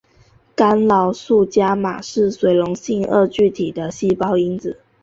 干扰素伽玛是水溶性二聚体的细胞因子。